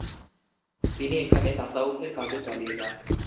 তিনি এখানে তাসাউফের কাজও চালিয়ে যান।